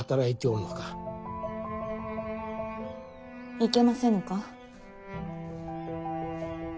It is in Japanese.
いけませぬか。